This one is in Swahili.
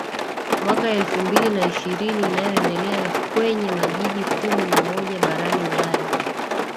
mwaka elfu mbili na ishirini inayoendelea kwenye majiji kumi na moja barani Ulaya